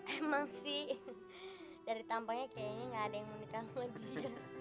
emang sih dari tampaknya kayaknya gak ada yang mau nikah sama dia